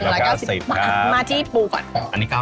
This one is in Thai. มาที่ปูก่อน